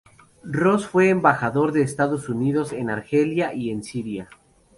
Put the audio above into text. Ross fue embajador de Estados Unidos en Argelia y en Siria.